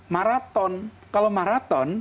maraton kalau maraton